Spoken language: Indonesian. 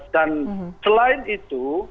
dan selain itu